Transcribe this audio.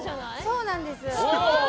そうなんです。